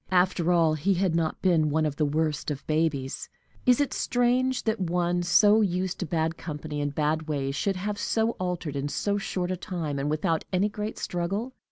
After all, he had not been one of the worst of babies. Is it strange that one so used to bad company and bad ways should have so altered, in so short a time, and without any great struggle?